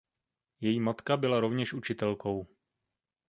Její matka byla rovněž učitelkou.